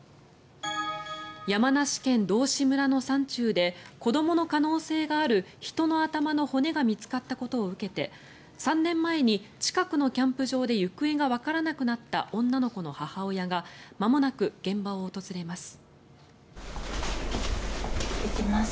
山梨県道志村の山中で子どもの可能性がある人の頭の骨が見つかったことを受けて３年前に近くのキャンプ場で行方がわからなくなった女の子の母親がまもなく現場を訪れます。